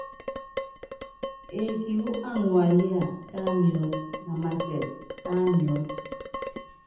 Eeki wú aŋualía, tá miɔ́t, na masɛp, ta miɔ́t.